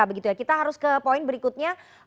begitu ya kita harus ke poin berikutnya